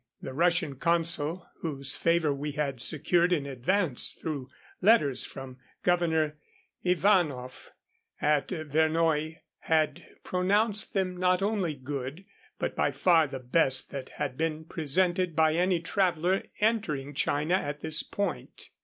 The Russian consul, whose favor we had secured in advance through letters from Governor Ivanoff at Vernoye, had pronounced them not only good, but by far the best that had been presented by any traveler entering China at this point.